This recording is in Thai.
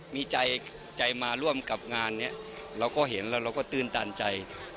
มีใจมาร่วมกับงานนี้เราก็เห็นแล้วเราก็ตื่นตันใจ